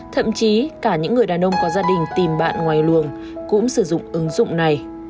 thậm chí cả những người đàn ông có gia đình tìm bạn ngoài luồng cũng sử dụng ứng dụng này